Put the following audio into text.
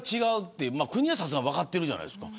国はさすがに分かってるじゃないですか。